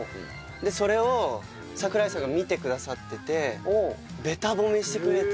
それを櫻井さんが見てくださっててべた褒めしてくれて。